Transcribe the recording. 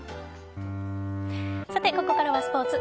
ここからはスポーツ。